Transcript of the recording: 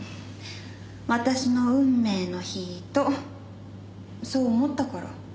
私の運命の人そう思ったから。